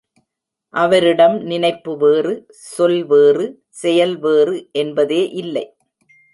அவரிடம் நினைப்பு வேறு, சொல் வேறு, செயல் வேறு என்பதே இல்லை.